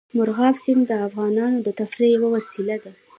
مورغاب سیند د افغانانو د تفریح یوه وسیله ده.